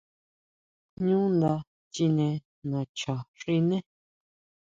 ʼÑú nda chine nacha xiné.